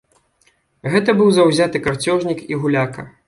Гэта быў заўзяты карцёжнік і гуляка.